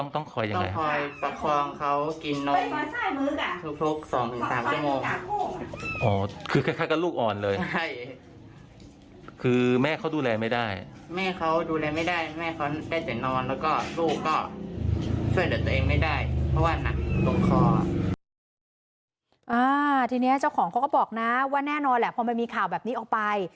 ทีนี้เจ้าของเขาก็บอกนะว่าแน่นอนแหละพอมันมีข่าวแบบนี้ออกไป